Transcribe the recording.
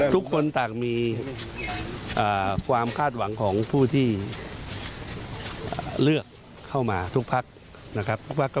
ทุกคนต่างมีความคาดหวังของผู้ที่เลือกเข้ามาทุกพักนะครับ